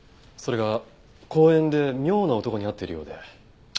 それが公園で妙な男に会っているようで。